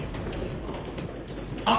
あっ！